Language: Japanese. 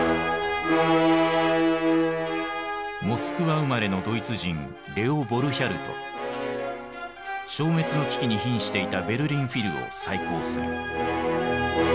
モスクワ生まれのドイツ人消滅の危機にひんしていたベルリン・フィルを再興する。